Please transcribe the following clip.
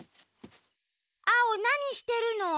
アオなにしてるの？